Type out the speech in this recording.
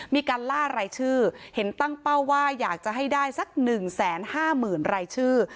มีการล่ารายชื่อเห็นตั้งเป้าว่าอยากจะให้ได้สัก๑๕๐๐๐รายชื่อ